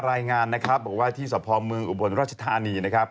รายงานนะครับบอกว่าที่สะพอเมืองอุบลราชธานีนะครับ